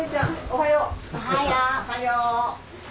おはよう。